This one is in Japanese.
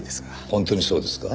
本当にそうですか？